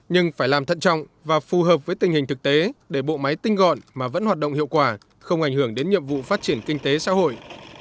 nhưng phải làm thận trọng và phù hợp với tình hình thực tế để bộ máy tinh gọn mà vẫn hoạt động hiệu quả không ảnh hưởng đến nhiệm vụ phát triển kinh tế xã hội